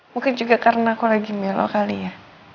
mungkin juga karena aku lagi melo kali ya